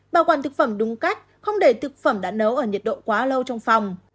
bảo quản thực phẩm đúng cách không để thực phẩm đã nấu ở nhiệt độ quá lâu trong phòng